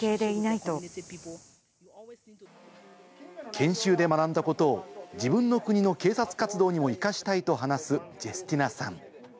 研修で学んだことを自分の国の警察活動にも生かしたいと話すジェスティナさん。